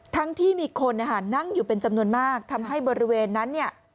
ที่มีคนนั่งอยู่เป็นจำนวนมากทำให้บริเวณนั้นเนี่ย